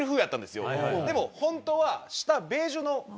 でもホントは下。